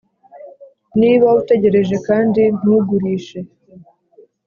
niba utegereje kandi ntugurishe,